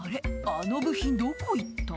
あの部品どこいった？